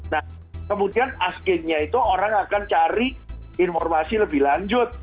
nah kemudian asgainnya itu orang akan cari informasi lebih lanjut